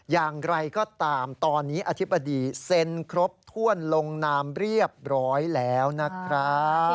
อย่างไรก็ตามตอนนี้อธิบดีเซ็นครบถ้วนลงนามเรียบร้อยแล้วนะครับ